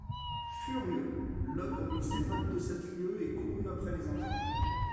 Furieux, l’ogre mit ses bottes de sept lieues et courut après les enfants.